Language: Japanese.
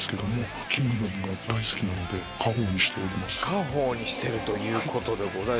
家宝にしてるということでございまして。